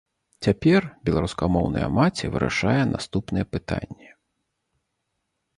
Цяпер беларускамоўная маці вырашае наступныя пытанні.